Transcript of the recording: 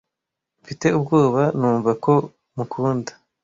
mfite ubwoba numva ko mukunda